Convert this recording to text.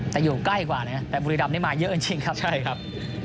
แต่อยู่ใกล้กว่านะครับและบุรีดำได้มาเยอะจริงครับ